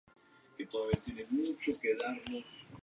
El nudo de la defensa enemiga estaba en el centro del pueblo.